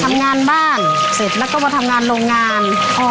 ทำงานบ้านเสร็จแล้วก็มาทำงานโรงงาน